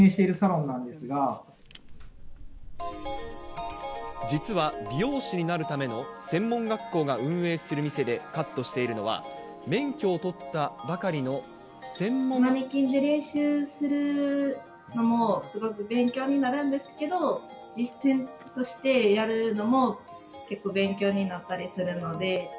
ンな実は、美容師になるための専門学校が運営する店でカットしているのは、マネキンで練習するのも、すごく勉強になるんですけど、実践としてやるのも結構、勉強になったりするので。